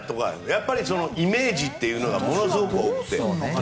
やっぱりイメージというのがものすごく大きくて。